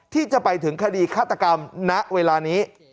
ที่จะไปถึงคดีฆาตกรรมณเวลานี้